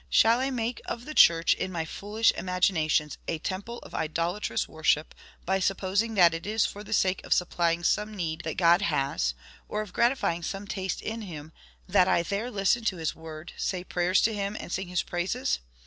Shall I make of the church in my foolish imaginations a temple of idolatrous worship by supposing that it is for the sake of supplying some need that God has, or of gratifying some taste in him, that I there listen to his word, say prayers to him, and sing his praises?